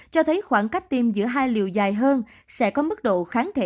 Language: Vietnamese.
cho thấy khoảng cách tiêm giữa hai liều dài hơn sẽ có mức độ kháng thể